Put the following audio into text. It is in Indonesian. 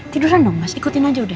tiduran dong mas ikutin aja udah